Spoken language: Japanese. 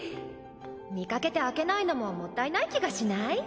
見かけて開けないのももったいない気がしない？